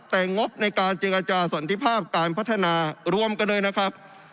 แต่งบในการเจรจาสันติภาพการพัฒนารวมกันเลยนะครับ